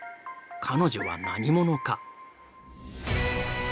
彼女は何者か。